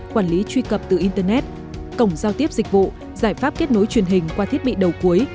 quản lý truy cập từ internet cổng giao tiếp dịch vụ giải pháp kết nối truyền hình qua thiết bị đầu cuối